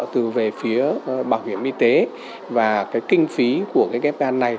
từ về phía bảo hiểm y tế và cái kinh phí của cái ghép gan này